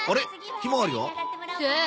ひまわりは？さあ？